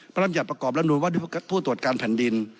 รำจัดประกอบรับนูนว่าด้วยผู้ตรวจการแผ่นดิน